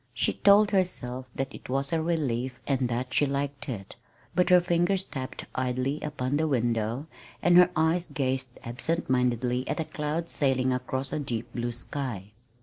She told herself that it was a relief and that she liked it but her fingers tapped idly upon the window, and her eyes gazed absent mindedly at a cloud sailing across a deep blue sky.